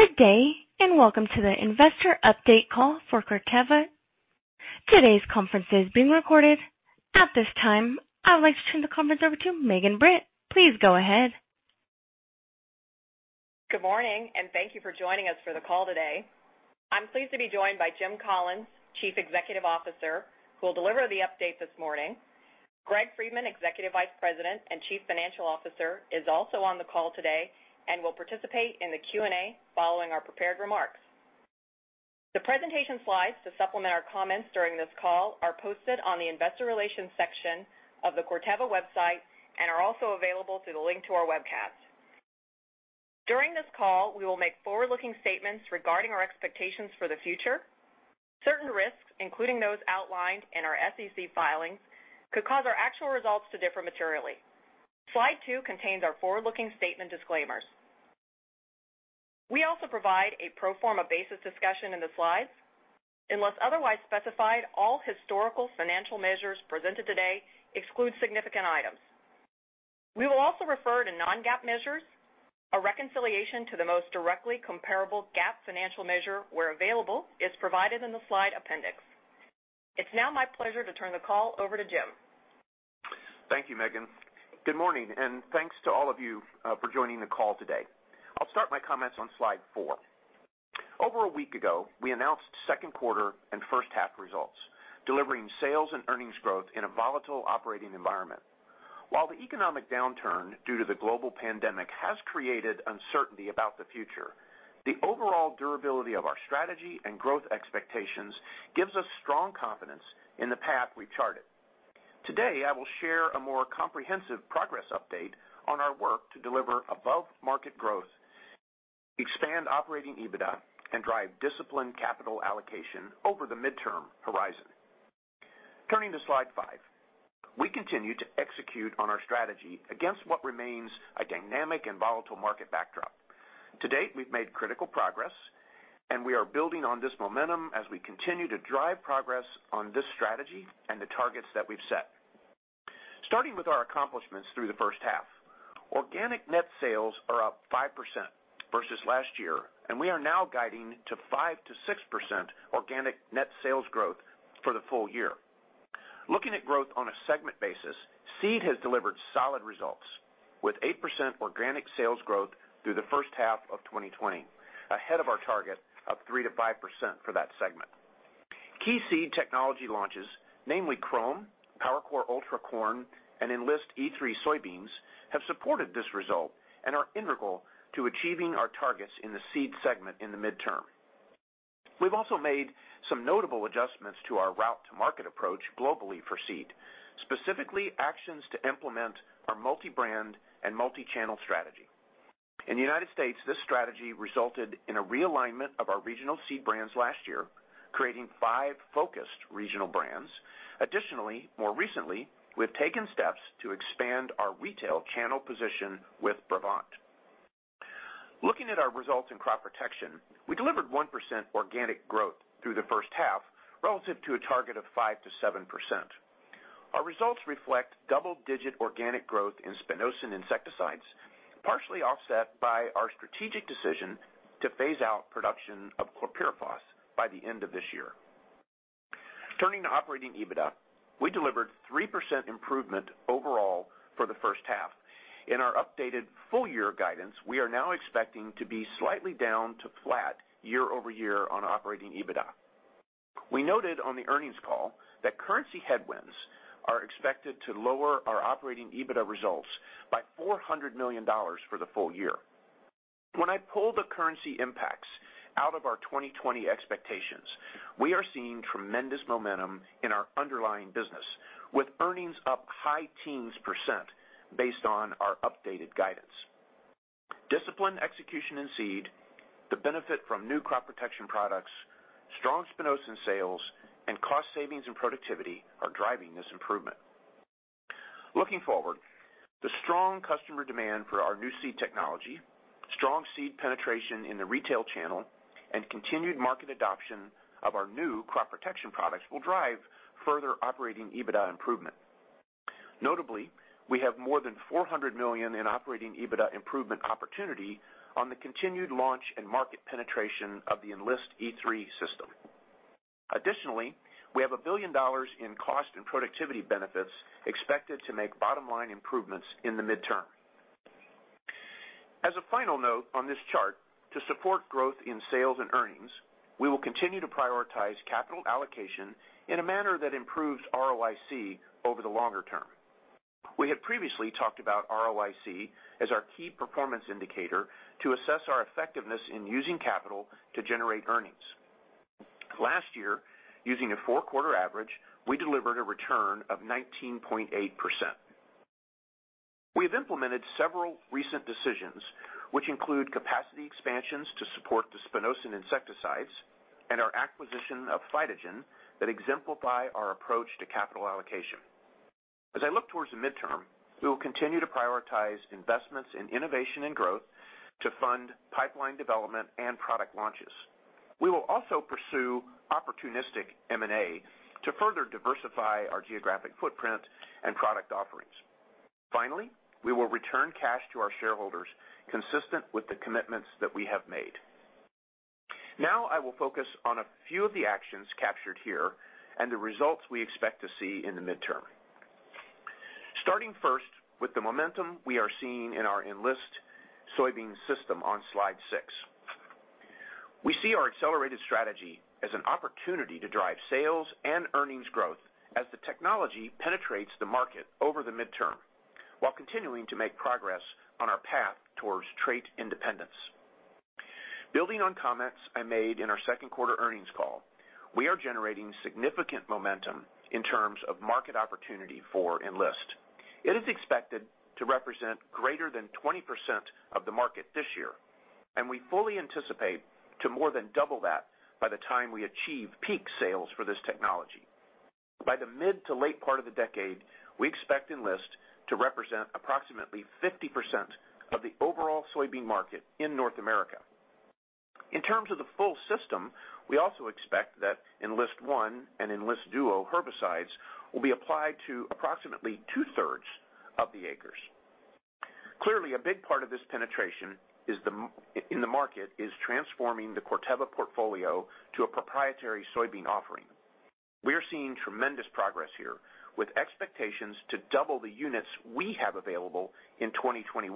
Good day, welcome to the Investor Update Call for Corteva. Today's conference is being recorded. At this time, I would like to turn the conference over to Megan Britt. Please go ahead. Good morning, and thank you for joining us for the call today. I'm pleased to be joined by Jim Collins, Chief Executive Officer, who will deliver the update this morning. Greg Friedman, Executive Vice President and Chief Financial Officer, is also on the call today and will participate in the Q&A following our prepared remarks. The presentation slides to supplement our comments during this call are posted on the Investor Relations section of the Corteva website and are also available through the link to our webcast. During this call, we will make forward-looking statements regarding our expectations for the future. Certain risks, including those outlined in our SEC filings, could cause our actual results to differ materially. Slide two contains our forward-looking statement disclaimers. We also provide a pro forma basis discussion in the slides. Unless otherwise specified, all historical financial measures presented today exclude significant items. We will also refer to non-GAAP measures. A reconciliation to the most directly comparable GAAP financial measure, where available, is provided in the slide appendix. It's now my pleasure to turn the call over to Jim. Thank you, Megan. Good morning, thanks to all of you for joining the call today. I'll start my comments on slide four. Over a week ago, we announced Q2 and H1 results, delivering sales and earnings growth in a volatile operating environment. While the economic downturn due to the global pandemic has created uncertainty about the future, the overall durability of our strategy and growth expectations gives us strong confidence in the path we charted. Today, I will share a more comprehensive progress update on our work to deliver above-market growth, expand Operating EBITDA, and drive disciplined capital allocation over the midterm horizon. Turning to slide 5. We continue to execute on our strategy against what remains a dynamic and volatile market backdrop. To date, we've made critical progress, and we are building on this momentum as we continue to drive progress on this strategy and the targets that we've set. Starting with our accomplishments through the H1, organic net sales are up 5% versus last year, and we are now guiding to 5%-6% organic net sales growth for the full year. Looking at growth on a segment basis, seed has delivered solid results, with 8% organic sales growth through the H1 of 2020, ahead of our target of 3%-5% for that segment. Key seed technology launches, namely Qrome®, PowerCore Ultra corn, and Enlist E3™ soybeans, have supported this result and are integral to achieving our targets in the seed segment in the midterm. We've also made some notable adjustments to our route-to-market approach globally for seed, specifically actions to implement our multi-brand and multi-channel strategy. In the United States, this strategy resulted in a realignment of our regional seed brands last year, creating five focused regional brands. Additionally, more recently, we have taken steps to expand our retail channel position with Brevant®. Looking at our results in crop protection, we delivered 1% organic growth through the H1 relative to a target of 5%-7%. Our results reflect double-digit organic growth in spinosyn insecticides, partially offset by our strategic decision to phase out production of chlorpyrifos by the end of this year. Turning to Operating EBITDA, we delivered 3% improvement overall for the H1. In our updated full-year guidance, we are now expecting to be slightly down to flat year-over-year on Operating EBITDA. We noted on the earnings call that currency headwinds are expected to lower our Operating EBITDA results by $400 million for the full year. When I pull the currency impacts out of our 2020 expectations, we are seeing tremendous momentum in our underlying business, with earnings up high teens percent based on our updated guidance. Disciplined execution in seed, the benefit from new crop protection products, strong spinosyn sales, and cost savings and productivity are driving this improvement. Looking forward, the strong customer demand for our new seed technology, strong seed penetration in the retail channel, and continued market adoption of our new crop protection products will drive further Operating EBITDA improvement. Notably, we have more than $400 million in Operating EBITDA improvement opportunity on the continued launch and market penetration of the Enlist E3™ system. Additionally, we have $1 billion in cost and productivity benefits expected to make bottom-line improvements in the midterm. As a final note on this chart, to support growth in sales and earnings, we will continue to prioritize capital allocation in a manner that improves ROIC over the longer term. We have previously talked about ROIC as our key performance indicator to assess our effectiveness in using capital to generate earnings. Last year, using a four-quarter average, we delivered a return of 19.8%. We have implemented several recent decisions which include capacity expansions to support the spinosyn insecticides and our acquisition of PhytoGen that exemplify our approach to capital allocation. As I look towards the midterm, we will continue to prioritize investments in innovation and growth to fund pipeline development and product launches. We will also pursue opportunistic M&A to further diversify our geographic footprint and product offerings. Finally, we will return cash to our shareholders consistent with the commitments that we have made. Now I will focus on a few of the actions captured here and the results we expect to see in the midterm. Starting first with the momentum we are seeing in our Enlist soybean system on slide six. We see our accelerated strategy as an opportunity to drive sales and earnings growth as the technology penetrates the market over the midterm, while continuing to make progress on our path towards trait independence. Building on comments I made in our Q2 earnings call, we are generating significant momentum in terms of market opportunity for Enlist. It is expected to represent greater than 20% of the market this year, and we fully anticipate to more than double that by the time we achieve peak sales for this technology. By the mid to late part of the decade, we expect Enlist to represent approximately 50% of the overall soybean market in North America. In terms of the full system, we also expect that Enlist One® and Enlist Duo® herbicides will be applied to approximately 2/3 of the acres. Clearly, a big part of this penetration in the market is transforming the Corteva portfolio to a proprietary soybean offering. We are seeing tremendous progress here, with expectations to double the units we have available in 2021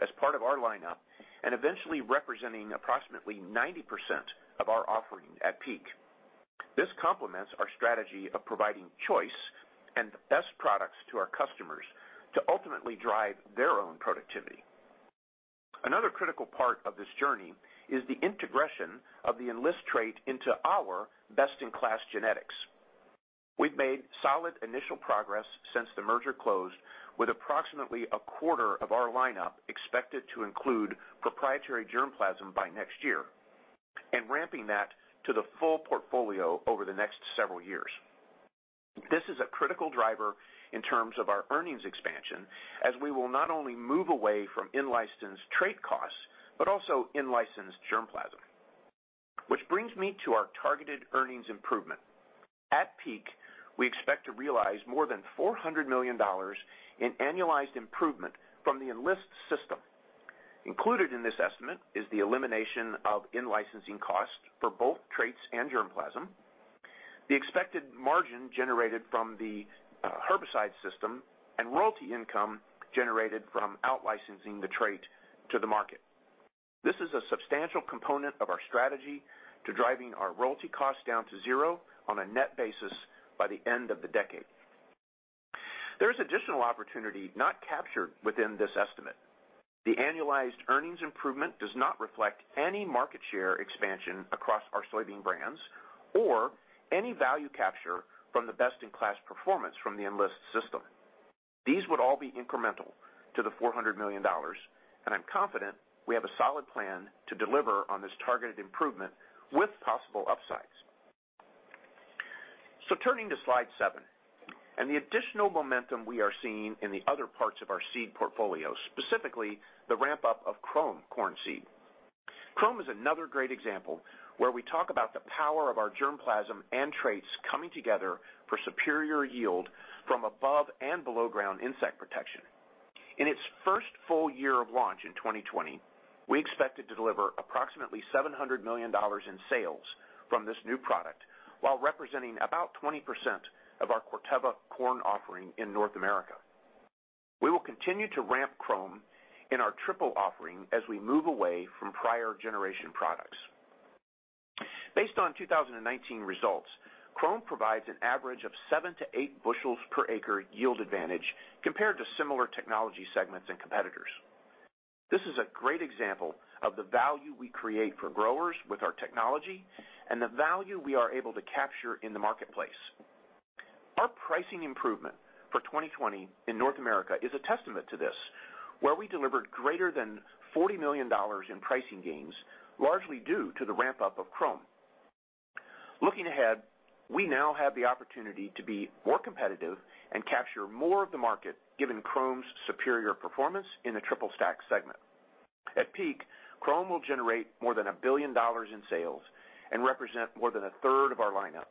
as part of our lineup and eventually representing approximately 90% of our offering at peak. This complements our strategy of providing choice and the best products to our customers to ultimately drive their own productivity. Another critical part of this journey is the integration of the Enlist trait into our best-in-class genetics. We've made solid initial progress since the merger closed with approximately a quarter of our lineup expected to include proprietary germplasm by next year and ramping that to the full portfolio over the next several years. This is a critical driver in terms of our earnings expansion, as we will not only move away from in-licensed trait costs, but also in-licensed germplasm, which brings me to our targeted earnings improvement. At peak, we expect to realize more than $400 million in annualized improvement from the Enlist system. Included in this estimate is the elimination of in-licensing costs for both traits and germplasm, the expected margin generated from the herbicide system, and royalty income generated from out-licensing the trait to the market. This is a substantial component of our strategy to driving our royalty costs down to zero on a net basis by the end of the decade. There is additional opportunity not captured within this estimate. The annualized earnings improvement does not reflect any market share expansion across our soybean brands or any value capture from the best-in-class performance from the Enlist system. These would all be incremental to the $400 million, and I'm confident we have a solid plan to deliver on this targeted improvement with possible upsides. Turning to slide seven and the additional momentum we are seeing in the other parts of our seed portfolio, specifically the ramp-up of Qrome® corn seed. Qrome® is another great example where we talk about the power of our germplasm and traits coming together for superior yield from above and below ground insect protection. In its first full year of launch in 2020, we expected to deliver approximately $700 million in sales from this new product, while representing about 20% of our Corteva corn offering in North America. We will continue to ramp Qrome® in our triple offering as we move away from prior generation products. Based on 2019 results, Qrome® provides an average of 7-8 bushels per acre yield advantage compared to similar technology segments and competitors. This is a great example of the value we create for growers with our technology and the value we are able to capture in the marketplace. Our pricing improvement for 2020 in North America is a testament to this, where we delivered greater than $40 million in pricing gains, largely due to the ramp-up of Qrome®. Looking ahead, we now have the opportunity to be more competitive and capture more of the market given Qrome®'s superior performance in the triple stack segment. At peak, Qrome® will generate more than $1 billion in sales and represent more than a third of our lineup.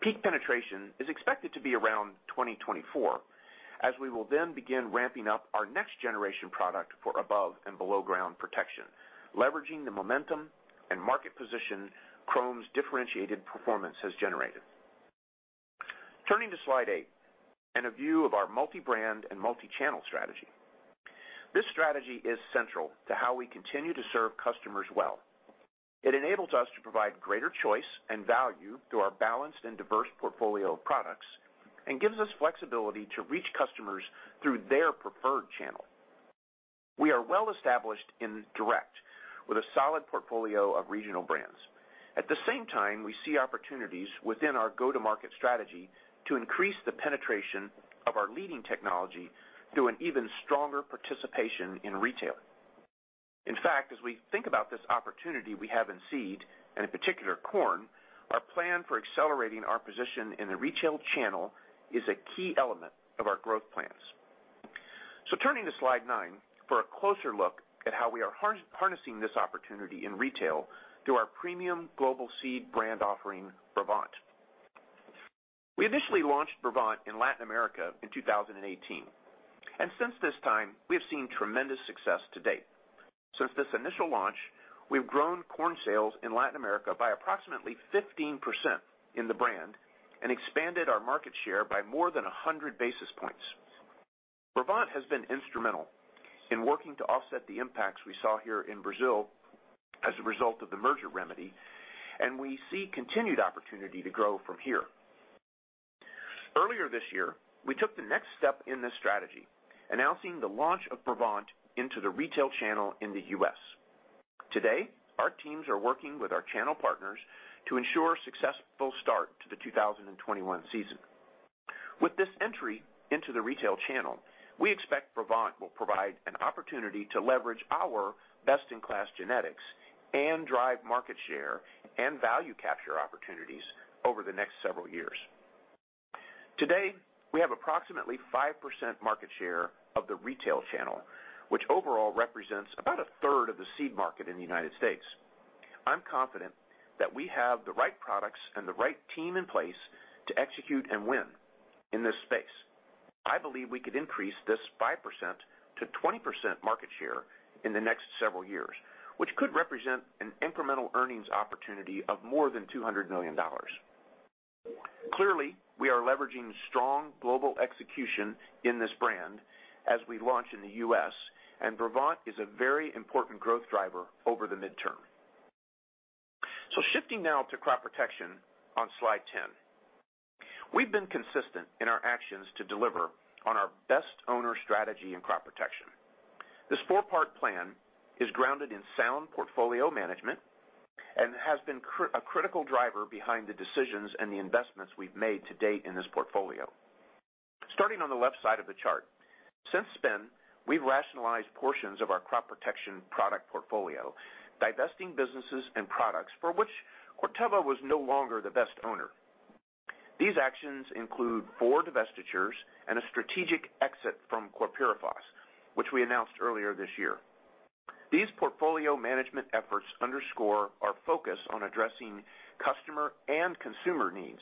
Peak penetration is expected to be around 2024, as we will then begin ramping up our next generation product for above and below ground protection, leveraging the momentum and market position Qrome®'s differentiated performance has generated. Turning to slide eight and a view of our multi-brand and multi-channel strategy. This strategy is central to how we continue to serve customers well. It enables us to provide greater choice and value through our balanced and diverse portfolio of products and gives us flexibility to reach customers through their preferred channel. We are well established in direct with a solid portfolio of regional brands. At the same time, we see opportunities within our go-to-market strategy to increase the penetration of our leading technology through an even stronger participation in retail. In fact, as we think about this opportunity we have in seed, and in particular corn, our plan for accelerating our position in the retail channel is a key element of our growth plans. Turning to slide nine for a closer look at how we are harnessing this opportunity in retail through our premium global seed brand offering, Brevant®. We initially launched Brevant® in Latin America in 2018. Since this time, we have seen tremendous success to date. Since this initial launch, we've grown corn sales in Latin America by approximately 15% in the brand and expanded our market share by more than 100 basis points. Brevant® has been instrumental in working to offset the impacts we saw here in Brazil as a result of the merger remedy, and we see continued opportunity to grow from here. Earlier this year, we took the next step in this strategy, announcing the launch of Brevant® into the retail channel in the U.S. Today, our teams are working with our channel partners to ensure a successful start to the 2021 season. With this entry into the retail channel, we expect Brevant® will provide an opportunity to leverage our best-in-class genetics and drive market share and value capture opportunities over the next several years. Today, we have approximately 5% market share of the retail channel, which overall represents about 1/3 of the seed market in the U.S. I'm confident that we have the right products and the right team in place to execute and win in this space. I believe we could increase this 5% to 20% market share in the next several years, which could represent an incremental earnings opportunity of more than $200 million. Clearly, we are leveraging strong global execution in this brand as we launch in the U.S., and Brevant® is a very important growth driver over the midterm. Shifting now to crop protection on slide 10. We've been consistent in our actions to deliver on our best owner strategy in crop protection. This four-part plan is grounded in sound portfolio management and has been a critical driver behind the decisions and the investments we've made to date in this portfolio. Starting on the left side of the chart, since spin, we've rationalized portions of our crop protection product portfolio, divesting businesses and products for which Corteva was no longer the best owner. These actions include four divestitures and a strategic exit from chlorpyrifos, which we announced earlier this year. These portfolio management efforts underscore our focus on addressing customer and consumer needs,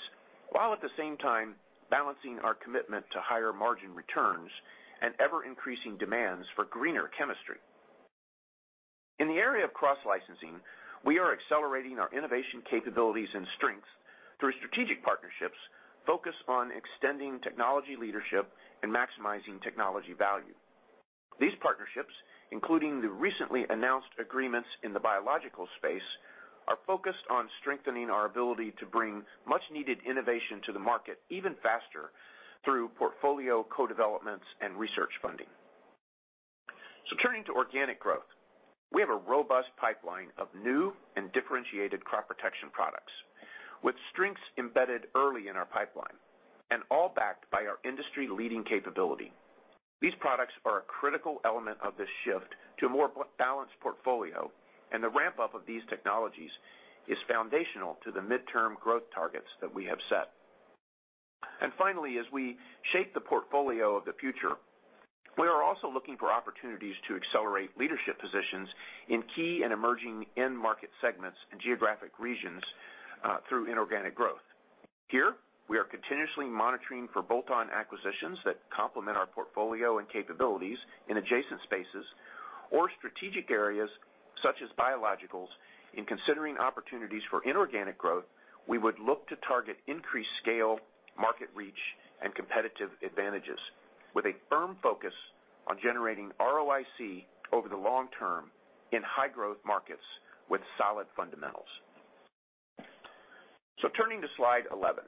while at the same time balancing our commitment to higher margin returns and ever-increasing demands for greener chemistry. In the area of cross-licensing, we are accelerating our innovation capabilities and strengths through strategic partnerships focused on extending technology leadership and maximizing technology value. These partnerships, including the recently announced agreements in the biological space, are focused on strengthening our ability to bring much needed innovation to the market even faster through portfolio co-developments and research funding. Turning to organic growth. We have a robust pipeline of new and differentiated Crop Protection products with strengths embedded early in our pipeline and all backed by our industry-leading capability. These products are a critical element of this shift to a more balanced portfolio, and the ramp-up of these technologies is foundational to the midterm growth targets that we have set, and finally, as we shape the portfolio of the future, we are also looking for opportunities to accelerate leadership positions in key and emerging end market segments and geographic regions through inorganic growth. Here, we are continuously monitoring for bolt-on acquisitions that complement our portfolio and capabilities in adjacent spaces or strategic areas such as biologicals. In considering opportunities for inorganic growth, we would look to target increased scale, market reach, and competitive advantages with a firm focus on generating ROIC over the long term in high-growth markets with solid fundamentals. Turning to slide 11.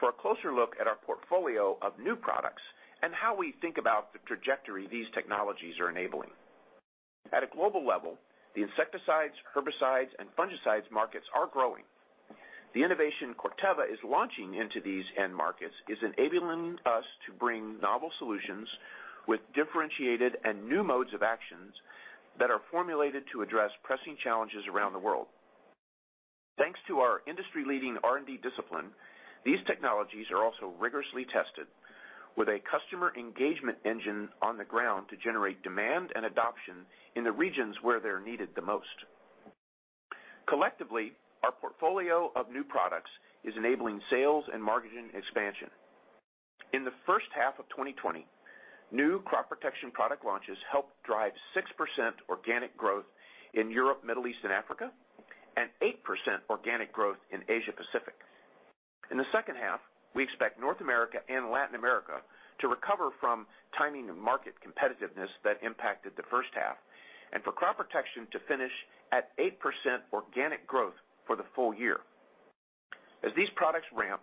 For a closer look at our portfolio of new products and how we think about the trajectory these technologies are enabling. At a global level, the insecticides, herbicides, and fungicides markets are growing. The innovation Corteva is launching into these end markets is enabling us to bring novel solutions with differentiated and new modes of actions that are formulated to address pressing challenges around the world. Thanks to our industry-leading R&D discipline, these technologies are also rigorously tested with a customer engagement engine on the ground to generate demand and adoption in the regions where they're needed the most. Collectively, our portfolio of new products is enabling sales and marketing expansion. In the H1 of 2020, new crop protection product launches helped drive 6% organic growth in Europe, Middle East, and Africa, and 8% organic growth in Asia Pacific. In the H2, we expect North America and Latin America to recover from timing and market competitiveness that impacted the H1 and for crop protection to finish at 8% organic growth for the full year. As these products ramp,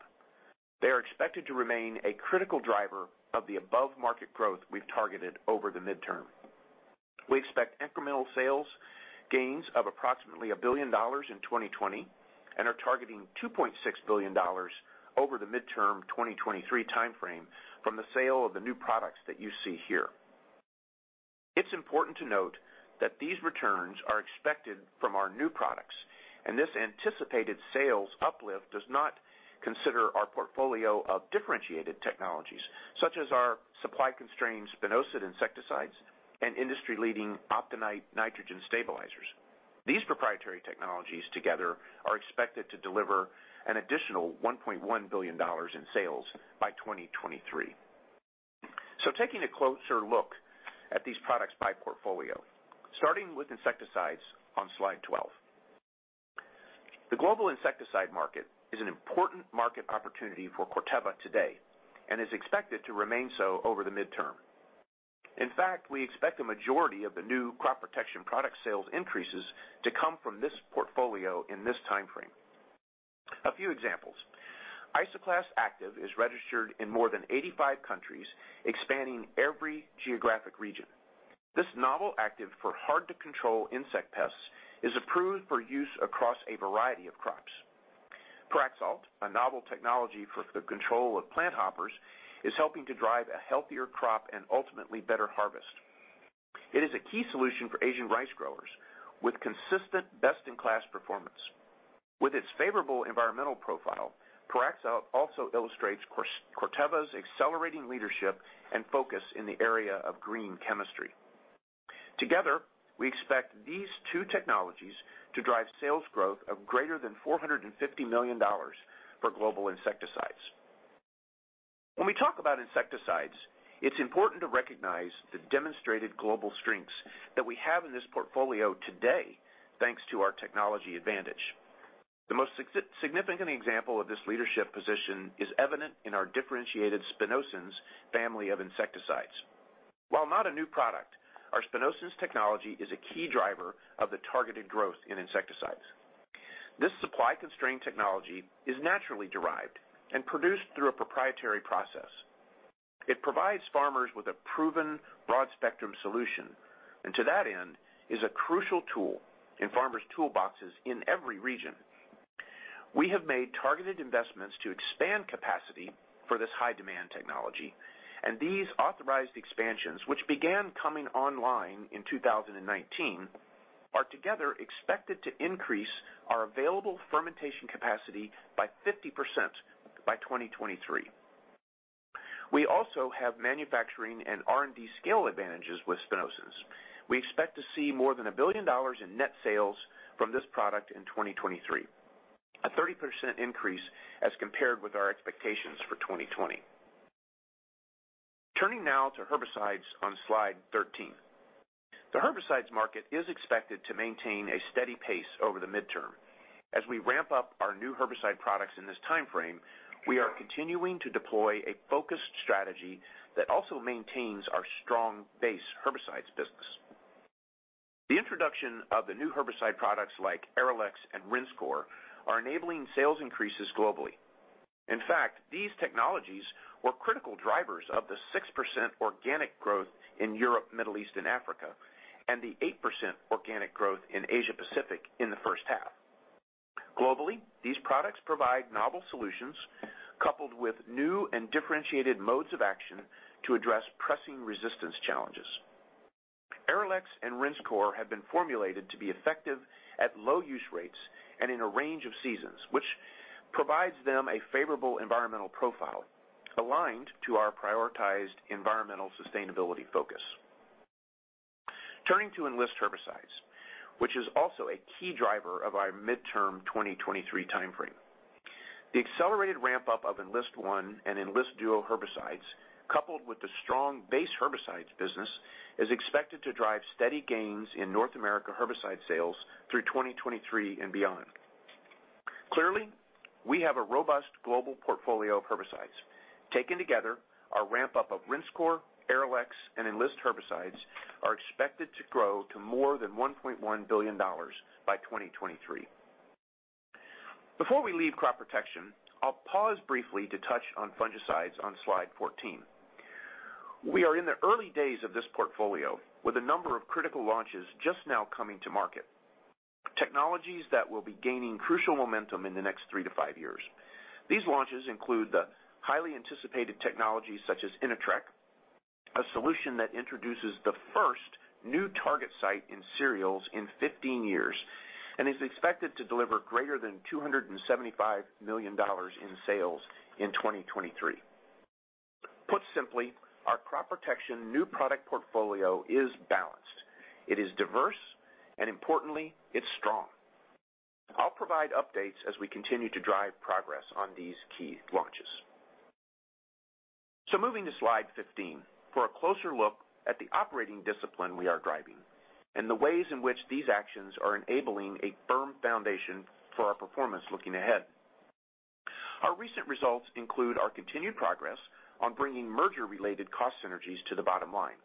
they are expected to remain a critical driver of the above market growth we've targeted over the midterm. We expect incremental sales gains of approximately a billion dollars in 2020 and are targeting $2.6 billion over the midterm 2023 timeframe from the sale of the new products that you see here. It's important to note that these returns are expected from our new products, and this anticipated sales uplift does not consider our portfolio of differentiated technologies, such as our supply-constrained spinosad insecticides and industry-leading Optinyte nitrogen stabilizers. These proprietary technologies together are expected to deliver an additional $1.1 billion in sales by 2023. So taking a closer look at these products by portfolio, starting with insecticides on slide 12. The global insecticide market is an important market opportunity for Corteva today and is expected to remain so over the midterm. In fact, we expect the majority of the new crop protection product sales increases to come from this portfolio in this time frame. A few examples. Isoclast active is registered in more than 85 countries, expanding every geographic region. This novel active for hard-to-control insect pests is approved for use across a variety of crops. Pyraxalt™, a novel technology for the control of plant hoppers, is helping to drive a healthier crop and ultimately better harvest. It is a key solution for Asian rice growers with consistent best-in-class performance. With its favorable environmental profile, Pyraxalt™ also illustrates Corteva's accelerating leadership and focus in the area of green chemistry. Together, we expect these two technologies to drive sales growth of greater than $450 million for global insecticides. When we talk about insecticides, it's important to recognize the demonstrated global strengths that we have in this portfolio today, thanks to our technology advantage. The most significant example of this leadership position is evident in our differentiated spinosyns family of insecticides. While not a new product, our spinosyns technology is a key driver of the targeted growth in insecticides. This supply-constrained technology is naturally derived and produced through a proprietary process. It provides farmers with a proven broad-spectrum solution, and to that end, is a crucial tool in farmers' toolboxes in every region. We have made targeted investments to expand capacity for this high-demand technology, and these authorized expansions, which began coming online in 2019, are together expected to increase our available fermentation capacity by 50% by 2023. We also have manufacturing and R&D scale advantages with spinosyns. We expect to see more than a billion dollars in net sales from this product in 2023, a 30% increase as compared with our expectations for 2020. Turning now to herbicides on slide 13. The herbicides market is expected to maintain a steady pace over the midterm. As we ramp up our new herbicide products in this time frame, we are continuing to deploy a focused strategy that also maintains our strong base herbicides business. The introduction of the new herbicide products like Arylex™ and Rinskor™ are enabling sales increases globally. In fact, these technologies were critical drivers of the 6% organic growth in Europe, Middle East, and Africa, and the 8% organic growth in Asia Pacific in the H1. Globally, these products provide novel solutions coupled with new and differentiated modes of action to address pressing resistance challenges. Arylex™ and Rinskor™ have been formulated to be effective at low use rates and in a range of seasons, which provides them a favorable environmental profile aligned to our prioritized environmental sustainability focus. Turning to Enlist herbicides, which is also a key driver of our midterm 2023 time frame. The accelerated ramp-up of Enlist One® and Enlist Duo® herbicides, coupled with the strong base herbicides business, is expected to drive steady gains in North America herbicide sales through 2023 and beyond. We have a robust global portfolio of herbicides. Taken together, our ramp-up of Rinskor™, Arylex™, and Enlist herbicides are expected to grow to more than $1.1 billion by 2023. Before we leave Crop Protection, I'll pause briefly to touch on fungicides on slide 14. We are in the early days of this portfolio with a number of critical launches just now coming to market. Technologies that will be gaining crucial momentum in the next three to five years. These launches include the highly anticipated technologies such as Inatreq, a solution that introduces the first new target site in cereals in 15 years and is expected to deliver greater than $275 million in sales in 2023. Put simply, our crop protection new product portfolio is balanced. It is diverse, and importantly, it's strong. I'll provide updates as we continue to drive progress on these key launches. Moving to slide 15 for a closer look at the operating discipline we are driving and the ways in which these actions are enabling a firm foundation for our performance, looking ahead. Our recent results include our continued progress on bringing merger-related cost synergies to the bottom line,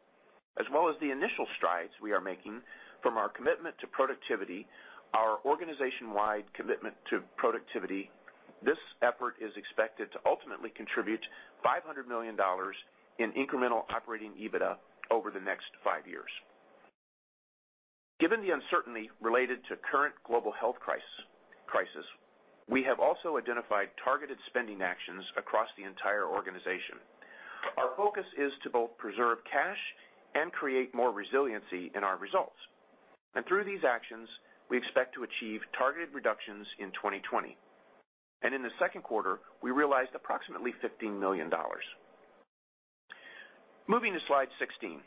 as well as the initial strides we are making from our commitment to productivity, our organization-wide commitment to productivity. This effort is expected to ultimately contribute $500 million in incremental Operating EBITDA over the next five years. Given the uncertainty related to current global health crisis, we have also identified targeted spending actions across the entire organization. Our focus is to both preserve cash and create more resiliency in our results. Through these actions, we expect to achieve targeted reductions in 2020, and in the Q2, we realized approximately $15 million. Moving to slide 16.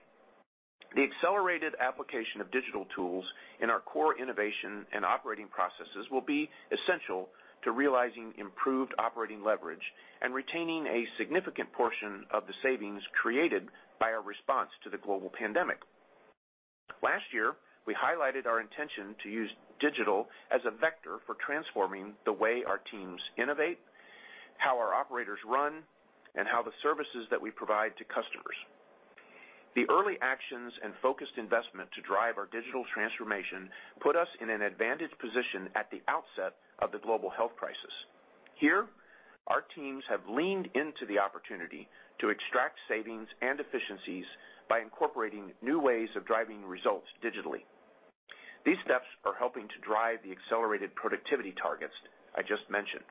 The accelerated application of digital tools in our core innovation and operating processes will be essential to realizing improved operating leverage and retaining a significant portion of the savings created by our response to the global pandemic. Last year, we highlighted our intention to use digital as a vector for transforming the way our teams innovate, how our operators run, and how the services that we provide to customers. The early actions and focused investment to drive our digital transformation put us in an advantaged position at the outset of the global health crisis. Here, our teams have leaned into the opportunity to extract savings and efficiencies by incorporating new ways of driving results digitally. These steps are helping to drive the accelerated productivity targets I just mentioned.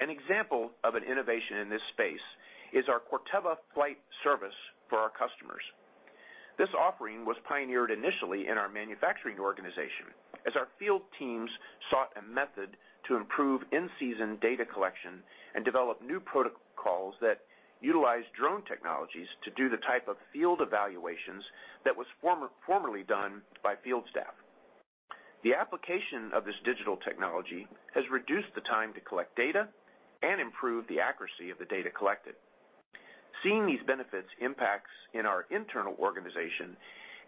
An example of an innovation in this space is our Corteva Flight Service for our customers. This offering was pioneered initially in our manufacturing organization as our field teams sought a method to improve in-season data collection and develop new protocols that utilize drone technologies to do the type of field evaluations that was formerly done by field staff. The application of this digital technology has reduced the time to collect data and improve the accuracy of the data collected. Seeing these benefits impacts in our internal organization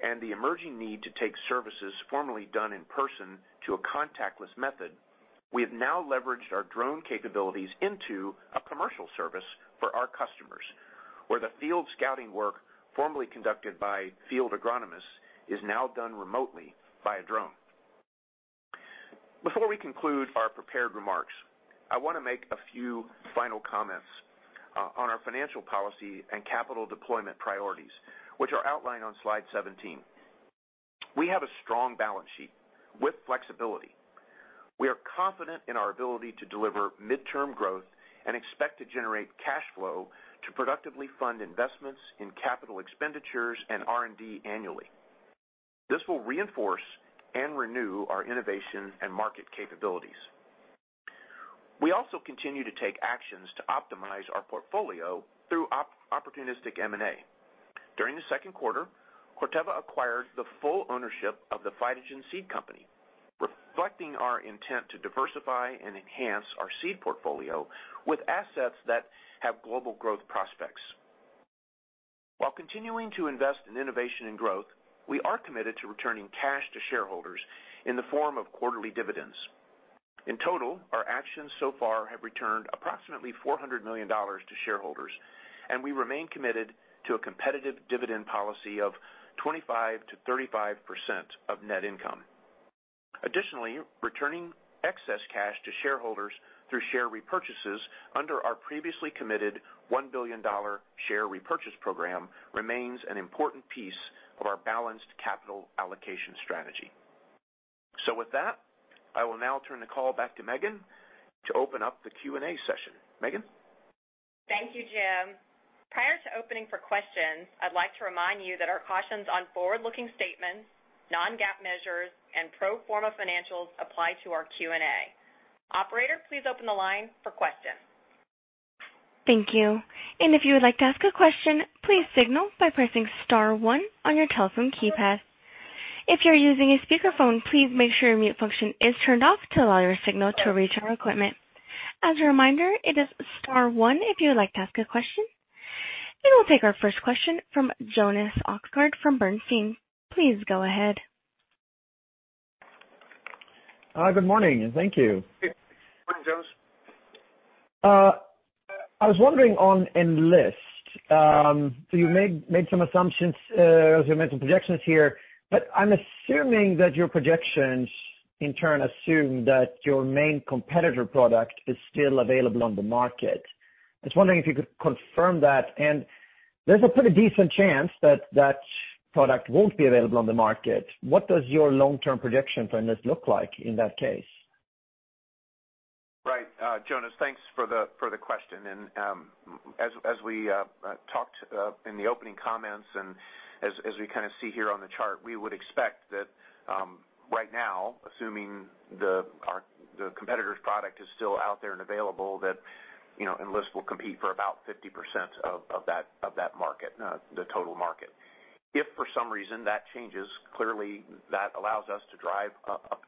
and the emerging need to take services formerly done in person to a contactless method, we have now leveraged our drone capabilities into a commercial service for our customers, where the field scouting work formerly conducted by field agronomists is now done remotely by a drone. Before we conclude our prepared remarks, I wanna make a few final comments on our financial policy and capital deployment priorities, which are outlined on slide 17. We have a strong balance sheet with flexibility. We are confident in our ability to deliver midterm growth and expect to generate cash flow to productively fund investments in CapEx and R&D annually. This will reinforce and renew our innovation and market capabilities. We also continue to take actions to optimize our portfolio through opportunistic M&A. During the Q2, Corteva acquired the full ownership of the PhytoGen Seed Company, reflecting our intent to diversify and enhance our seed portfolio with assets that have global growth prospects. While continuing to invest in innovation and growth, we are committed to returning cash to shareholders in the form of quarterly dividends. In total, our actions so far have returned approximately $400 million to shareholders, and we remain committed to a competitive dividend policy of 25%-35% of net income. Additionally, returning excess cash to shareholders through share repurchases under our previously committed $1 billion share repurchase program remains an important piece of our balanced capital allocation strategy. With that, I will now turn the call back to Megan to open up the Q&A session. Megan? Thank you, Jim. Prior to opening for questions, I'd like to remind you that our cautions on forward-looking statements, non-GAAP measures, and pro forma financials apply to our Q&A. Operator, please open the line for questions. Thank you. If you would like to ask a question, please signal by pressing star one on your telephone keypad. If you're using a speakerphone, please make sure your mute function is turned off to allow your signal to reach our equipment. As a reminder, it is star one if you would like to ask a question. We'll take our first question from Jonas Oxgaard from Bernstein. Please go ahead. Hi, good morning, and thank you. Good morning, Jonas. I was wondering on Enlist. You made some assumptions, as you mentioned projections here, but I'm assuming that your projections in turn assume that your main competitor product is still available on the market. I was wondering if you could confirm that, and there's a pretty decent chance that that product won't be available on the market. What does your long-term projection for Enlist look like in that case? Right. Jonas, thanks for the question. As we talked in the opening comments and as we kinda see here on the chart, we would expect that right now, assuming the competitor's product is still out there and available, that, you know, Enlist will compete for about 50% of that market, the total market. If for some reason that changes, clearly that allows us to drive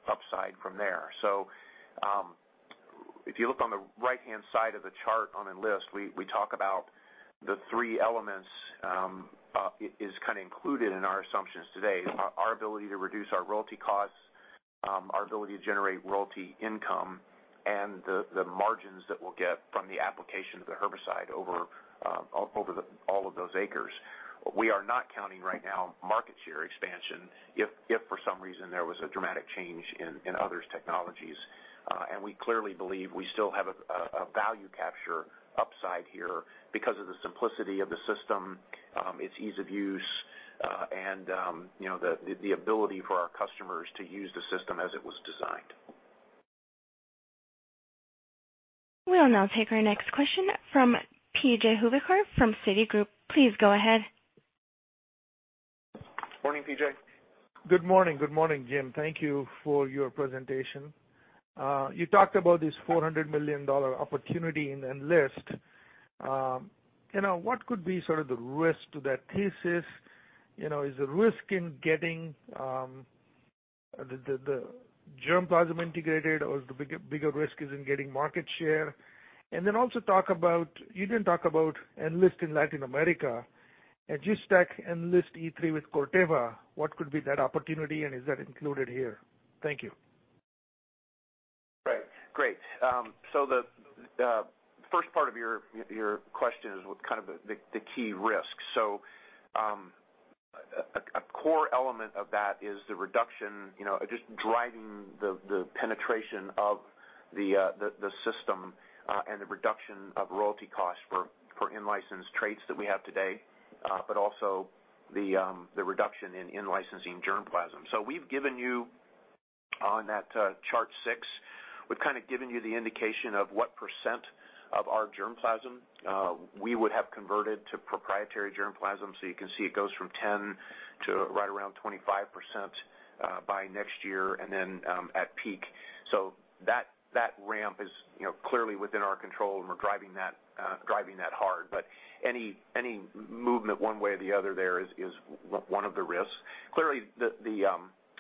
upside from there, so if you look on the right-hand side of the chart on Enlist, we talk about the three elements is kinda included in our assumptions today. Our ability to reduce our royalty costs, our ability to generate royalty income, and the margins that we'll get from the application of the herbicide over the, all of those acres. We are not counting right now market share expansion if for some reason there was a dramatic change in others' technologies, and we clearly believe we still have a value capture upside here because of the simplicity of the system, its ease of use, and, you know, the ability for our customers to use the system as it was designed. We'll now take our next question from P.J. Juvekar from Citigroup. Please go ahead. Morning, P.J. Good morning. Good morning, Jim. Thank you for your presentation. You talked about this $400 million opportunity in Enlist. You know, what could be sort of the risk to that thesis? You know, is the risk in getting the germplasm integrated, or is the bigger risk in getting market share? You didn't talk about Enlist in Latin America. As you stack Enlist E3® with Corteva, what could be that opportunity, and is that included here? Thank you. Right. Great. The first part of your question is kind of the key risks. A core element of that is the reduction, you know, just driving the penetration of the system, and the reduction of royalty costs for in-licensed traits that we have today, but also the reduction in in-licensing germplasm, so we've given you, on that chart six, we've kind of given you the indication of what percent of our germplasm we would have converted to proprietary germplasm, so you can see it goes from 10 to right around 25%, by next year, and then at peak. That ramp is, you know, clearly within our control, and we're driving that, driving that hard. Any movement one way or the other there is one of the risks. Clearly the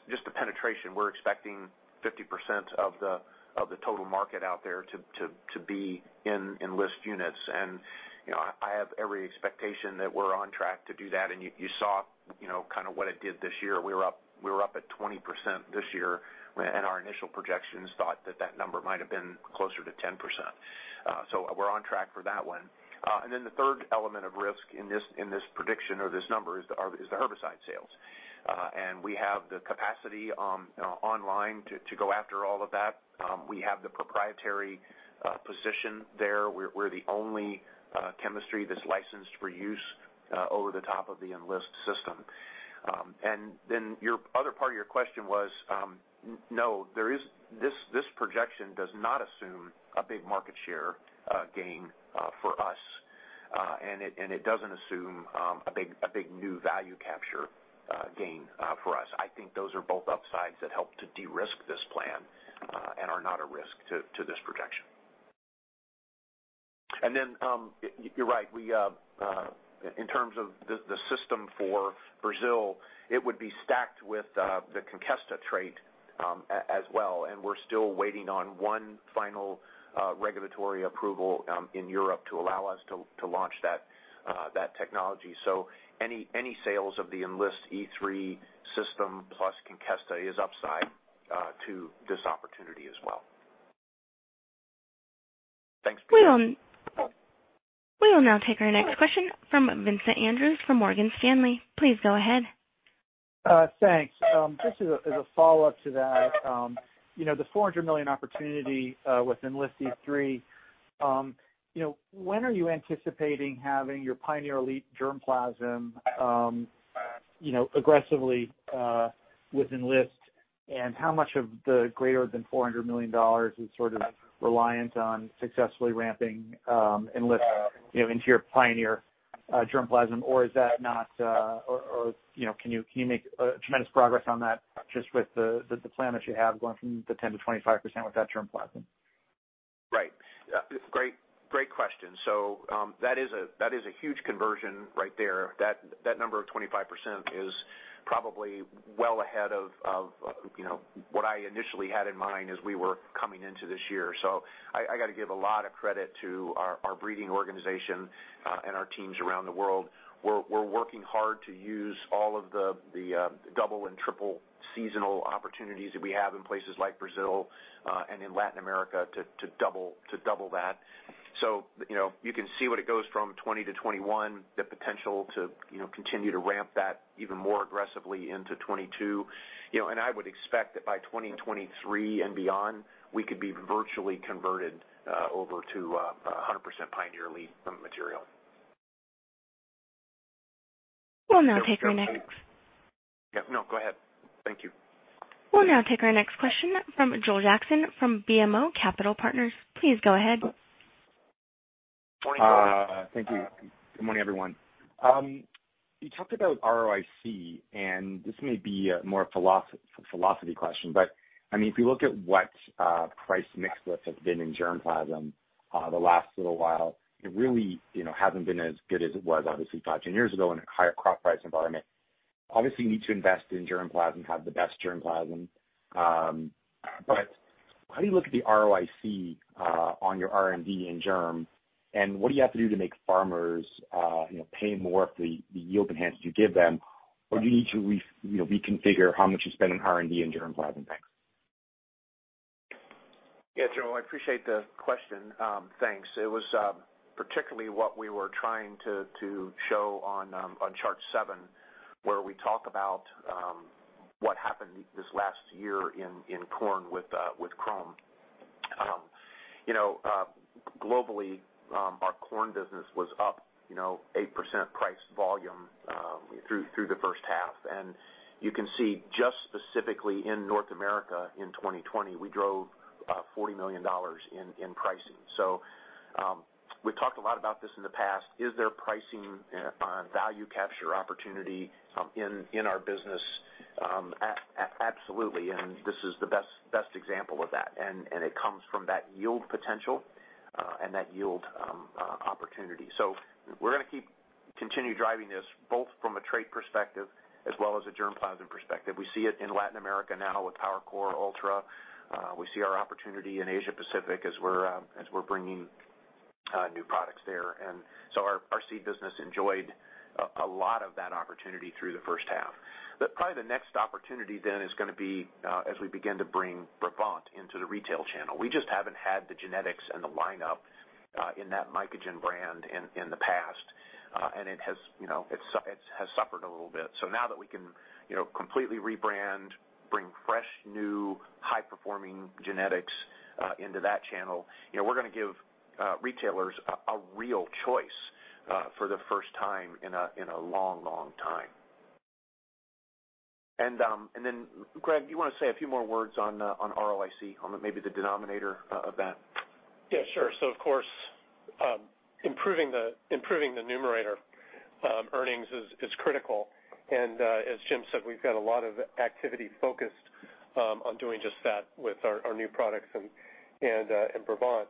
just the penetration, we're expecting 50% of the total market out there to be in Enlist units, and you know, I have every expectation that we're on track to do that. You saw, you know, kinda what it did this year. We were up at 20% this year when our initial projections thought that that number might have been closer to 10%, so we're on track for that one. The third element of risk in this prediction or this number is the herbicide sales, and we have the capacity online to go after all of that. We have the proprietary position there. We're the only chemistry that's licensed for use over the top of the Enlist system. Then your other part of your question was, no, this projection does not assume a big market share gain for us, and it doesn't assume a big new value capture gain for us. I think those are both upsides that help to de-risk this plan and are not a risk to this projection. ou're right, we in terms of the system for Brazil, it would be stacked with the Conkesta trait as well, and we're still waiting on one final regulatory approval in Europe to allow us to launch that technology, so any sales of the Enlist E3® system plus Conkesta is upside to this opportunity as well. Thanks. We will now take our next question from Vincent Andrews from Morgan Stanley. Please go ahead. Thanks. Just as a, as a follow-up to that, you know, the $400 million opportunity with Enlist E3®, you know, when are you anticipating having your Pioneer elite germplasm, you know, aggressively with Enlist, and how much of the greater than $400 million is sort of reliant on successfully ramping Enlist, you know, into your Pioneer germplasm? Or is that not, you know, can you, can you make tremendous progress on that just with the plan that you have going from the 10%-25% with that germplasm? Right. Great, great question. That is a huge conversion right there. That number of 25% is probably well ahead of, you know, what I initially had in mind as we were coming into this year, so I gotta give a lot of credit to our breeding organization and our teams around the world. We're working hard to use all of the double and triple seasonal opportunities that we have in places like Brazil and in Latin America to double that, so you know, you can see what it goes from 2020 to 2021, the potential to, you know, continue to ramp that even more aggressively into 2022. You know, and I would expect that by 2023 and beyond, we could be virtually converted, over to 100% Pioneer elite material. We'll now take our next. Yeah, no, go ahead. Thank you. We'll now take our next question from Joel Jackson from BMO Capital Markets. Please go ahead. Morning, Joel. Thank you. Good morning, everyone. You talked about ROIC, and this may be a more philosophy question. I mean, if you look at what price mix lift has been in germplasm the last little while, it really, you know, hasn't been as good as it was, obviously, five, 10 years ago in a higher crop price environment. Obviously, you need to invest in germplasm, have the best germplasm. How do you look at the ROIC on your R&D in germ, and what do you have to do to make farmers, you know, pay more for the yield enhancements you give them? Do you need to, you know, reconfigure how much you spend in R&D in germplasm? Thanks. Yeah, Joel, I appreciate the question. Thanks. It was particularly what we were trying to show on chart seven, where we talk about what happened this last year in corn with Qrome®. You know, globally, our corn business was up, you know, 8% price volume through the H1, and you can see just specifically in North America in 2020, we drove $40 million in pricing. We've talked a lot about this in the past. Is there pricing value capture opportunity in our business? Absolutely, this is the best example of that, and it comes from that yield potential and that yield opportunity. We're gonna keep continue driving this both from a trait perspective as well as a germplasm perspective. We see it in Latin America now with PowerCore® Ultra, we see our opportunity in Asia Pacific as we're bringing new products there, and so our seed business enjoyed a lot of that opportunity through the H1. Probably the next opportunity then is gonna be as we begin to bring Brevant® into the retail channel. We just haven't had the genetics and the lineup in that Mycogen brand in the past, and it has, you know, it has suffered a little bit. Now that we can, you know, completely rebrand, bring fresh, new, high-performing genetics into that channel, you know, we're gonna give retailers a real choice for the first time in a long, long time. Greg, you wanna say a few more words on ROIC, on the, maybe the denominator of that? Yeah, sure. Of course, improving the, improving the numerator, earnings is critical. As Jim said, we've got a lot of activity focused on doing just that with our new products and Brevant.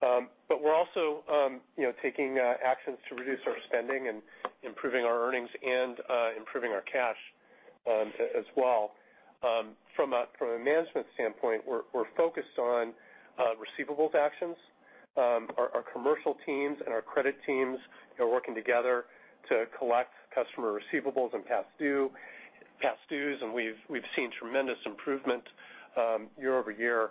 But we're also, you know, taking actions to reduce our spending and improving our earnings and improving our cash as well. From a management standpoint, we're focused on receivables actions. Our commercial teams and our credit teams are working together to collect customer receivables and past dues, and we've seen tremendous improvement year-over-year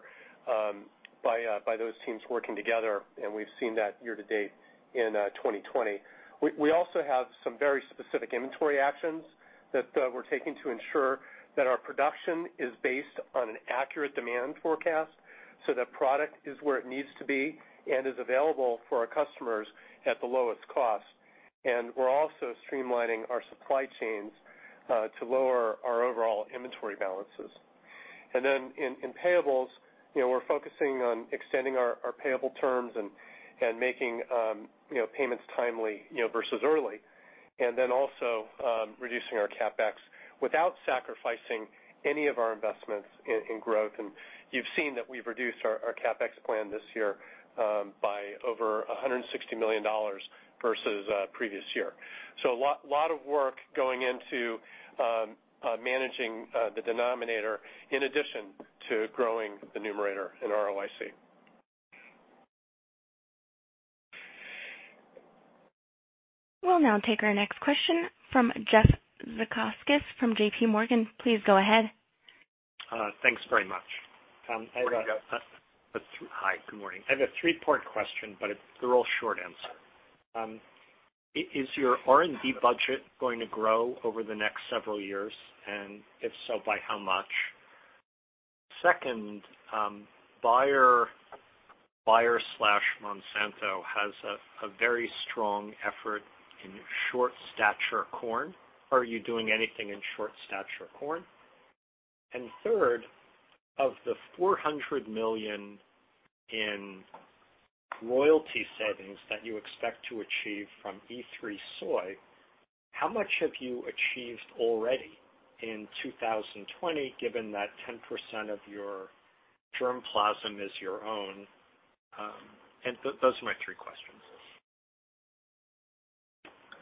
by those teams working together, and we've seen that year-to-date in 2020. We also have some very specific inventory actions that we're taking to ensure that our production is based on an accurate demand forecast so that product is where it needs to be and is available for our customers at the lowest cost, and we're also streamlining our supply chains to lower our overall inventory balances. In payables, you know, we're focusing on extending our payable terms and making, you know, payments timely, you know, versus early, and then reducing our CapEx without sacrificing any of our investments in growth. You've seen that we've reduced our CapEx plan this year by over $160 million versus previous year, so a lot of work going into managing the denominator in addition to growing the numerator in ROIC. We'll now take our next question from Jeff Zekauskas from JPMorgan. Please go ahead. Thanks very much. Morning, Jeff Hi, good morning. I have a three-part question, but they're all short answer. Is your R&D budget going to grow over the next several years? If so, by how much? Second, Bayer/Monsanto has a very strong effort in short stature corn. Are you doing anything in short stature corn? Third, of the $400 million in royalty savings that you expect to achieve from E3 soy, how much have you achieved already in 2020, given that 10% of your germplasm is your own? Those are my three questions.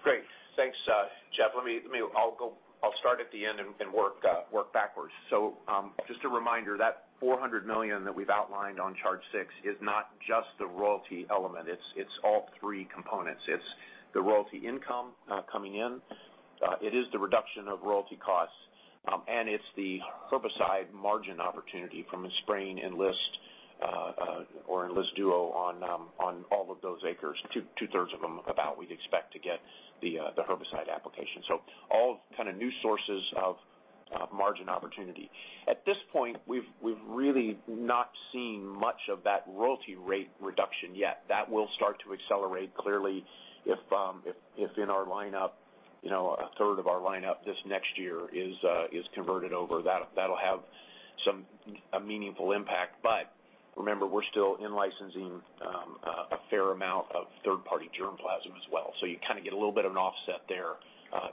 Great. Thanks, Jeff. I'll start at the end and work backwards. Just a reminder, that $400 million that we've outlined on chart six is not just the royalty element. It's all three components. It's the royalty income coming in, it is the reduction of royalty costs, and it's the herbicide margin opportunity from spraying Enlist or Enlist Duo® on all of those acres. Two-thirds of them about we'd expect to get the herbicide application. All kind of new sources of margin opportunity. At this point, we've really not seen much of that royalty rate reduction yet. That will start to accelerate clearly if in our lineup, you know, a third of our lineup this next year is converted over. That'll have some a meaningful impact. Remember, we're still in licensing a fair amount of third-party germplasm as well. You kinda get a little bit of an offset there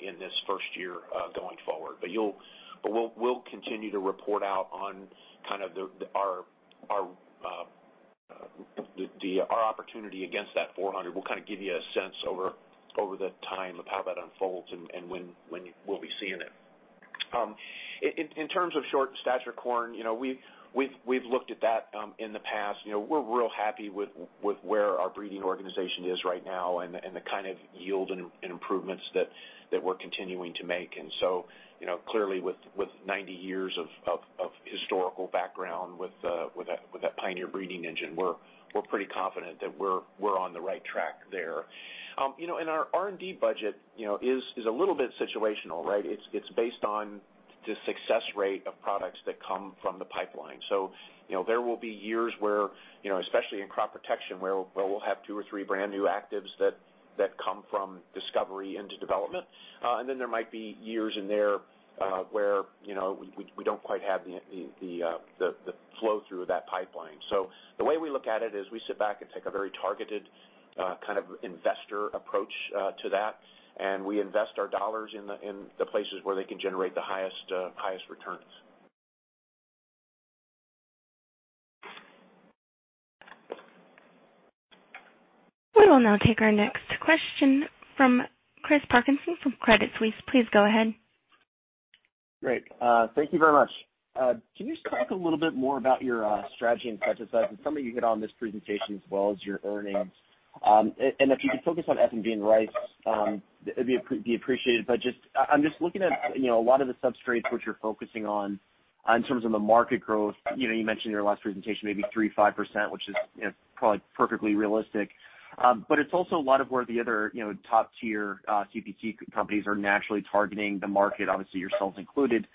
in this first year going forward. We'll continue to report out on kind of our opportunity against that 400. We'll kind of give you a sense over the time of how that unfolds and when you will be seeing it. In terms of short-stature corn, you know, we've looked at that in the past. You know, we're real happy with where our breeding organization is right now and the kind of yield and improvements that we're continuing to make, and clearly with 90 years of historical background with that Pioneer breeding engine, we're pretty confident that we're on the right track there. You know, our R&D budget, you know, is a little bit situational, right? It's based on the success rate of products that come from the pipeline, so you know, there will be years where, you know, especially in crop protection, where we'll have two or three brand-new actives that come from discovery into development. There might be years in there, where, you know, we don't quite have the flow through of that pipeline, so the way we look at it is we sit back and take a very targeted, kind of investor approach to that, and we invest our dollars in the places where they can generate the highest returns. We will now take our next question from Chris Parkinson from Credit Suisse. Please go ahead. Great. Thank you very much. Can you just talk a little bit more about your strategy in pesticides and some of you hit on this presentation as well as your earnings, and if you could focus on F&V and rice, it'd be appreciated. I'm just looking at, you know, a lot of the substrates which you're focusing on in terms of the market growth. You know, you mentioned in your last presentation maybe 3%-5%, which is, you know, probably perfectly realistic, but it's also a lot of where the other, you know, top tier, CP companies are naturally targeting the market, obviously yourselves included,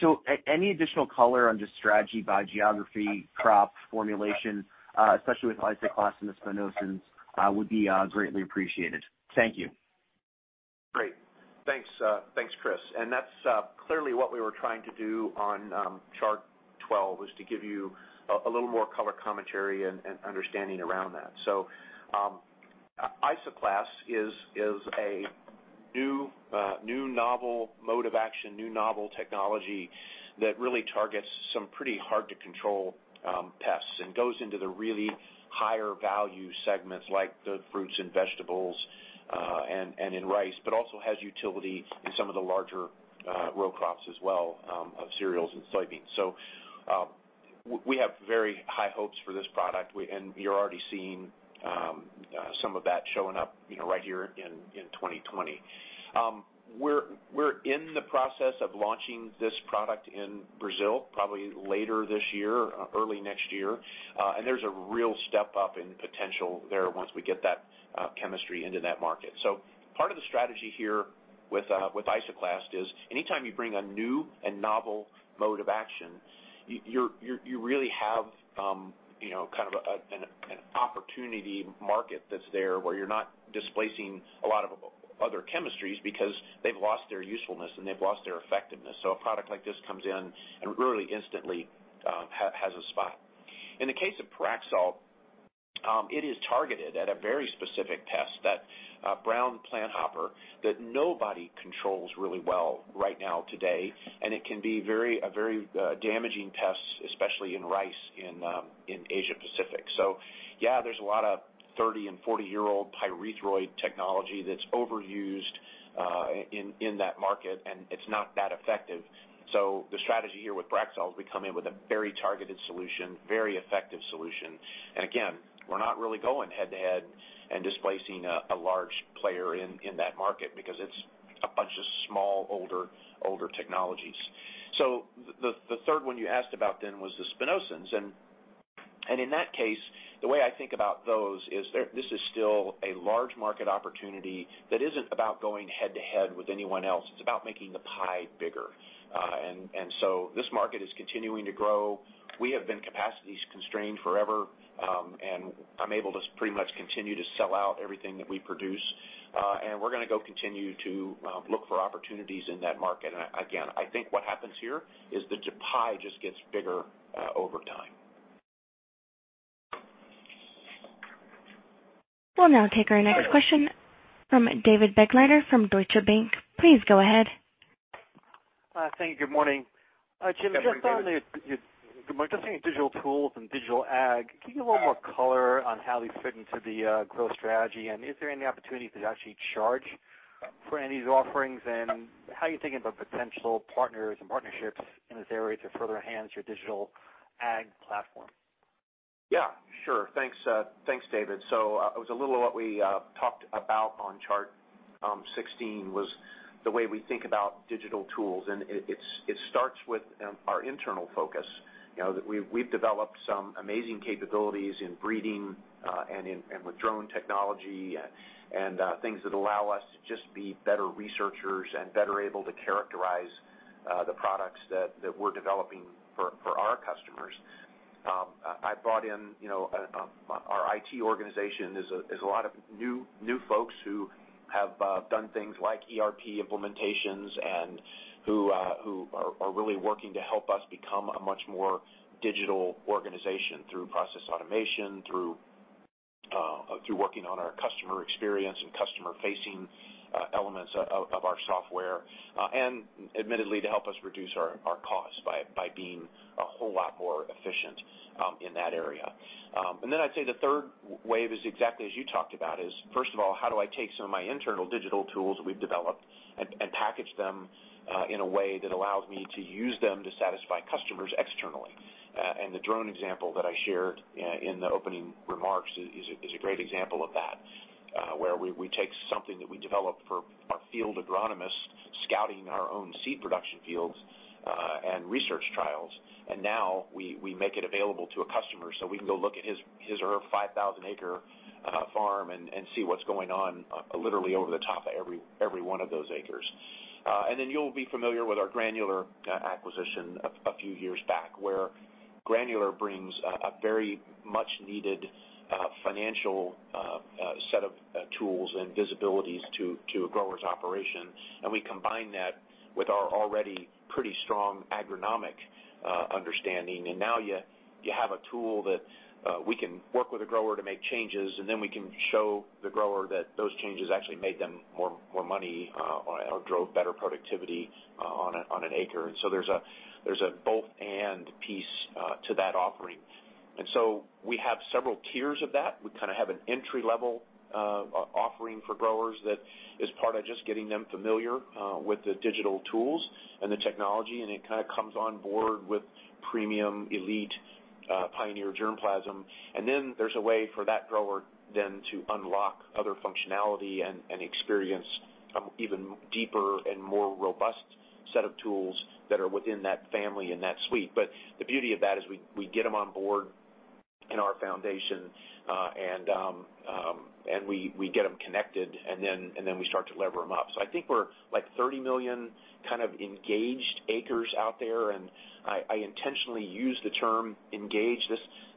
so any additional color on just strategy by geography, crop, formulation, especially with Isoclast and the spinosyns, would be greatly appreciated. Thank you. Great. Thanks, thanks, Chris. That's clearly what we were trying to do on chart 12, was to give you a little more color commentary and understanding around that. So Isoclast is a new novel mode of action, new novel technology that really targets some pretty hard to control pests and goes into the really higher value segments like the fruits and vegetables and in rice, but also has utility in some of the larger row crops as well, of cereals and soybeans, so we have very high hopes for this product. You're already seeing some of that showing up, you know, right here in 2020. We're in the process of launching this product in Brazil probably later this year or early next year, and there's a real step up in potential there once we get that chemistry into that market. Part of the strategy here with Isoclast is anytime you bring a new and novel mode of action, you really have, you know, kind of an opportunity market that's there where you're not displacing a lot of other chemistries because they've lost their usefulness and they've lost their effectiveness, so a product like this comes in and really instantly has a spot. In the case of Pyraxalt™, it is targeted at a very specific pest, that brown planthopper that nobody controls really well right now today, and it can be a very damaging pest, especially in rice in Asia Pacific. Yeah, there's a lot of 30 and 40-year-old pyrethroid technology that's overused in that market, and it's not that effective, so the strategy here with Pyraxalt™ is we come in with a very targeted solution, very effective solution. Again, we're not really going head to head and displacing a large player in that market because it's a bunch of small, older technologies. The third one you asked about then was the spinosyns, and in that case, the way I think about those is this is still a large market opportunity that isn't about going head to head with anyone else. It's about making the pie bigger, and so this market is continuing to grow. We have been capacity constrained forever, I'm able to pretty much continue to sell out everything that we produce. We're gonna go continue to look for opportunities in that market. Again, I think what happens here is the pie just gets bigger over time. We'll now take our next question from David Begleiter from Deutsche Bank. Please go ahead. Thank you. Good morning. Good morning, David. Jim, we're just seeing digital tools and digital ag. Can you give a little more color on how these fit into the growth strategy? Is there any opportunity to actually charge for any of these offerings? Then how are you thinking about potential partners and partnerships in this area to further enhance your digital ag platform? Yeah, sure. Thanks, thanks, David. It was a little of what we talked about on chart 16, was the way we think about digital tools, and it starts with our internal focus. You know, we've developed some amazing capabilities in breeding, and with drone technology and things that allow us to just be better researchers and better able to characterize the products that we're developing for our customers. I brought in, you know, our IT organization. There's a lot of new folks who have done things like ERP implementations and who are really working to help us become a much more digital organization through process automation, through working on our customer experience and customer-facing elements of our software, and, admittedly to help us reduce our costs by being a whole lot more efficient in that area. Then I'd say the third wave is exactly as you talked about, is first of all, how do I take some of my internal digital tools we've developed and package them in a way that allows me to use them to satisfy customers externally, and the drone example that I shared in the opening remarks is a great example of that, where we take something that we develop for our field agronomists scouting our own seed production fields and research trials. Now we make it available to a customer so we can go look at his or her 5,000 acre farm and see what's going on literally over the top of every one of those acres. Then you'll be familiar with our Granular acquisition a few years back, where Granular brings a very much needed financial set of tools and visibilities to a grower's operation, and we combine that with our already pretty strong agronomic understanding. Now you have a tool that we can work with a grower to make changes, and then we can show the grower that those changes actually made them more money or drove better productivity on an acre, so there's a both and piece to that offering. We have several tiers of that. We kinda have an entry-level offering for growers that is part of just getting them familiar with the digital tools and the technology, and it kinda comes on board with premium elite Pioneer germplasm, and then there's a way for that grower then to unlock other functionality and experience even deeper and more robust set of tools that are within that family and that suite. The beauty of that is we get them on board in our foundation, and we get them connected, and then we start to lever them up. I think we're like 30 million kind of engaged acres out there, and I intentionally use the term engaged.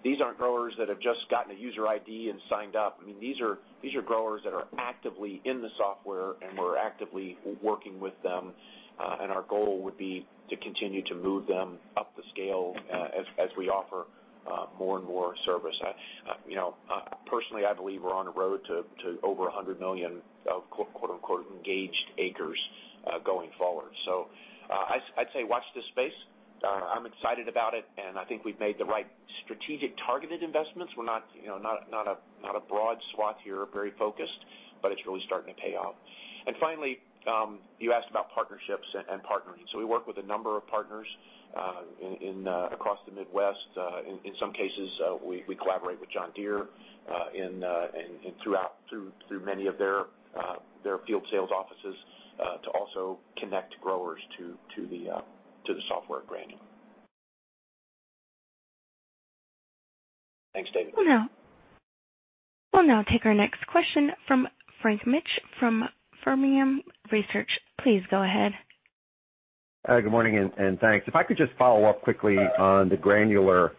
These aren't growers that have just gotten a user ID and signed up. I mean, these are growers that are actively in the software, and we're actively working with them, and our goal would be to continue to move them up the scale as we offer more and more service. I, you know, personally, I believe we're on a road to over 100 million of "engaged acres," going forward. I'd say watch this space. I'm excited about it, and I think we've made the right strategic targeted investments. We're not, you know, not a broad swath here, very focused, but it's really starting to pay off. Finally, you asked about partnerships and partnering. So we work with a number of partners in across the Midwest. In some cases, we collaborate with John Deere in and throughout through many of their field sales offices to also connect growers to the software at Granular. Thanks, David. We'll now take our next question from Frank Mitsch from Fermium Research. Please go ahead. Good morning and thanks. If I could just follow up quickly on the Granular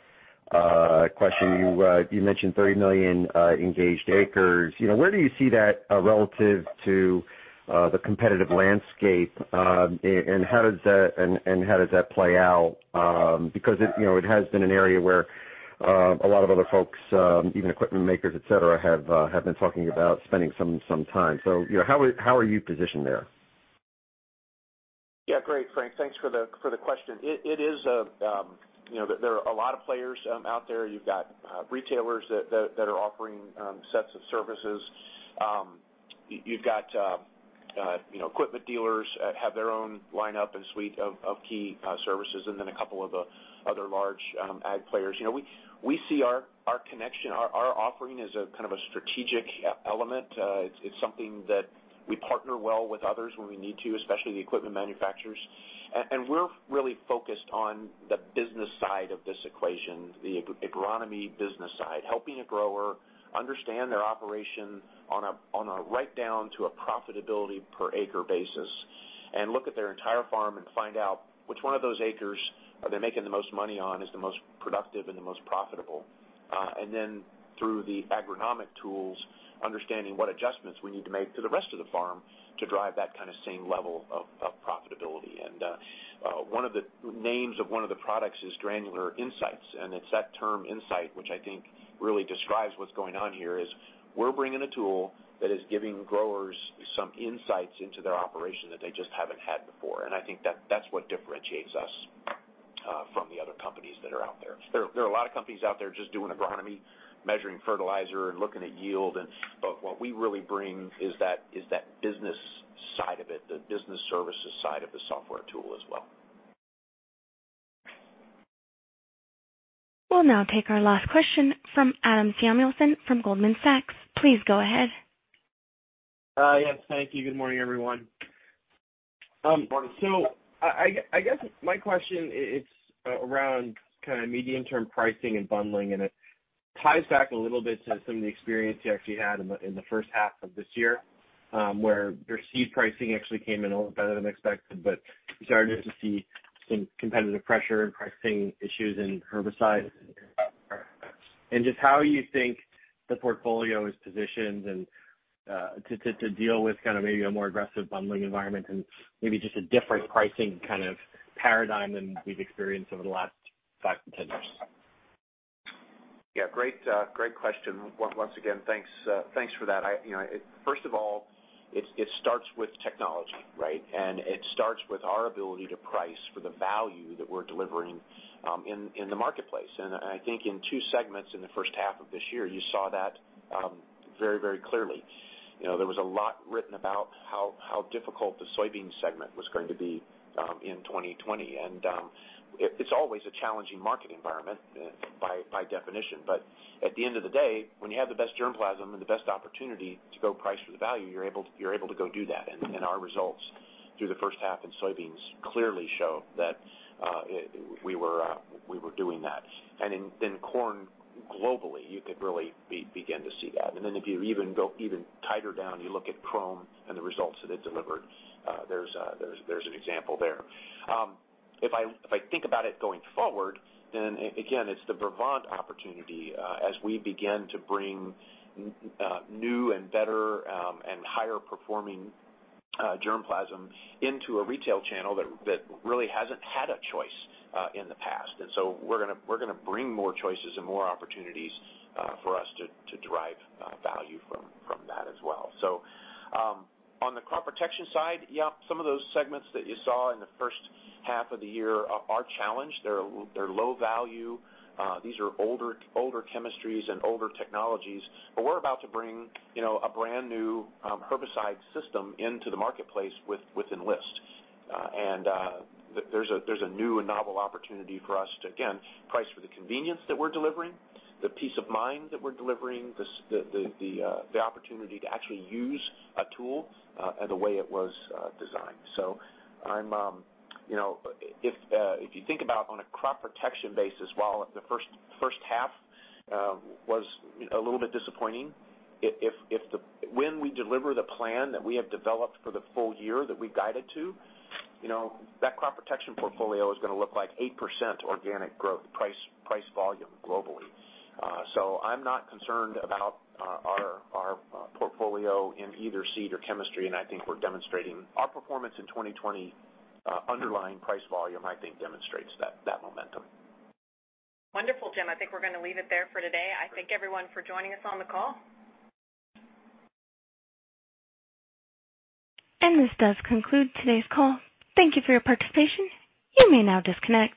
question. You mentioned 30 million engaged acres. You know, where do you see that relative to the competitive landscape, and how does that play out? Because it, you know, it has been an area where a lot of other folks, even equipment makers, et cetera, have been talking about spending some time, so you know, how are you positioned there? Yeah, great, Frank. Thanks for the question. It is a, you know, there are a lot of players out there. You've got retailers that are offering sets of services. You've got, you know, equipment dealers have their own lineup and suite of key services, and then a couple of the other large ag players. You know, we see our connection, our offering as a kind of a strategic e-element. It's something that we partner well with others when we need to, especially the equipment manufacturers, and we're really focused on the business side of this equation, the agronomy business side. Helping a grower understand their operation on a right down to a profitability per acre basis and look at their entire farm and find out which one of those acres are they making the most money on is the most productive and the most profitable, and then through the agronomic tools, understanding what adjustments we need to make to the rest of the farm to drive that kinda same level of profitability. One of the names of one of the products is Granular Insights, and it's that term insight, which I think really describes what's going on here, is we're bringing a tool that is giving growers some insights into their operation that they just haven't had before, and I think that that's what differentiates us from the other companies that are out there. There are a lot of companies out there just doing agronomy, measuring fertilizer, and looking at yield and, but what we really bring is that business side of it, the business services side of the software tool as well. We'll now take our last question from Adam Samuelson from Goldman Sachs. Please go ahead. Yes. Thank you. Good morning, everyone. Good morning. I guess my question it's around kind of medium-term pricing and bundling, and it ties back a little bit to some of the experience you actually had in the H1 of this year, where your seed pricing actually came in a little better than expected, but you started to see some competitive pressure and pricing issues in herbicides, and just how you think the portfolio is positioned to deal with kind of maybe a more aggressive bundling environment and maybe just a different pricing kind of paradigm than we've experienced over the last 5-10 years. Yeah. Great, great question. Once again, thanks for that. You know, first of all, it starts with technology, right, and it starts with our ability to price for the value that we're delivering in the marketplace. I think in two segments in the H1 of this year, you saw that very clearly. You know, there was a lot written about how difficult the soybean segment was going to be in 2020, and it's always a challenging market environment by definition, but at the end of the day, when you have the best germplasm and the best opportunity to go price for the value, you're able to go do that. Our results through the H1 in soybeans clearly show that we were doing that. In corn, globally, you could really begin to see that. If you even go even tighter down, you look at Qrome® and the results that it delivered, there's an example there. If I think about it going forward, again, it's the Brevant® opportunity as we begin to bring new and better and higher performing germplasm into a retail channel that really hasn't had a choice in the past, and so we're gonna bring more choices and more opportunities for us to drive value from that as well. On the crop protection side, yeah, some of those segments that you saw in the H1 of the year are challenged. They're low value. These are older chemistries and older technologies, but we're about to bring, you know, a brand-new herbicide system into the marketplace with Enlist, and there's a new and novel opportunity for us to, again, price for the convenience that we're delivering, the peace of mind that we're delivering, the opportunity to actually use a tool the way it was designed. I'm, you know, if you think about on a Crop Protection basis, while the H1 was a little bit disappointing, when we deliver the plan that we have developed for the full year that we guided to, you know, that Crop Protection portfolio is gonna look like 8% organic growth price volume globally, so I'm not concerned about our portfolio in either seed or chemistry, and I think we're demonstrating our performance in 2020, underlying price volume, I think demonstrates that momentum. Wonderful, Jim. I think we're gonna leave it there for today. I thank everyone for joining us on the call. This does conclude today's call. Thank you for your participation. You may now disconnect.